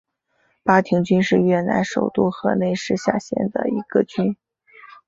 巴亭郡是越南首都河内市下辖的一个郡。